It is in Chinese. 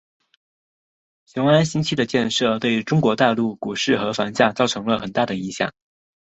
雄安新区的设立对中国大陆股市和房价造成了很大的影响。